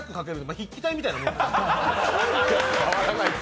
筆記体みたいなものです。